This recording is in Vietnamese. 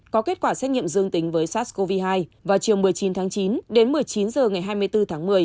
có kết quả xét nghiệm dương tính với sars cov hai vào chiều một mươi chín tháng chín đến một mươi chín h ngày hai mươi bốn tháng một mươi